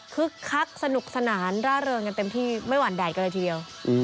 คักสนุกสนานร่าเริงกันเต็มที่ไม่หวั่นแดดกันเลยทีเดียว